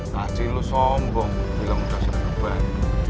masih lu sombong bilang udah sampai bandung